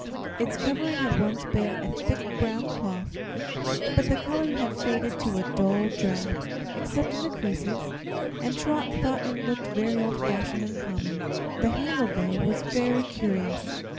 Its covering had once been of thick brown cloth, but the color had faded to a dull drab, except in the creases, and Trot thought it looked very old fashioned and common. The handle, though, was really curious.